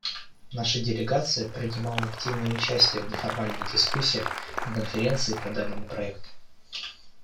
Наша делегация принимала активное участие в неформальных дискуссиях на Конференции по данному проекту.